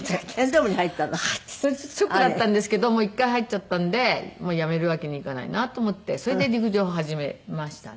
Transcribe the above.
ショックだったんですけどもう一回入っちゃったんで辞めるわけにはいかないなと思ってそれで陸上始めましたね。